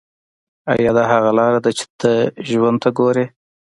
ایا دا هغه لاره ده چې ته ژوند ته ګورې